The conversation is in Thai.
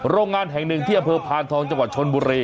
โรงงานแห่งหนึ่งที่อำเภอพานทองจังหวัดชนบุรี